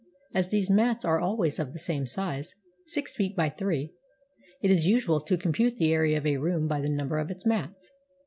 As these mats are always of the same size — six feet by three — it is usual to compute the area of a room by the number of its mats.